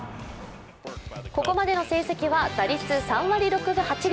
ここまでの成績は打率３割６分８厘。